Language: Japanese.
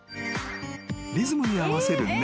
［リズムに合わせる猫］